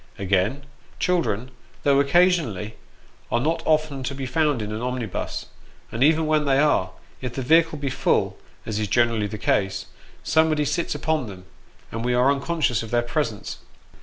Again; children, though occasionally, are not often to be found in an omnibus ; and even when they are, if the vehicle be full, as is generally the case, somebody sits upon them, and we are unconscious of their presence.